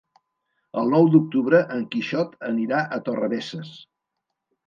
El nou d'octubre en Quixot anirà a Torrebesses.